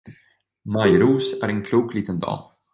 Maj-Ros är en klok liten dam.